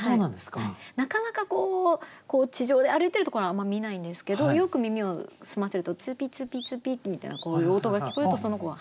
なかなか地上で歩いてるところはあんま見ないんですけどよく耳を澄ませるとツーピーツーピーツーピーみたいなこういう音が聞こえるとその子が。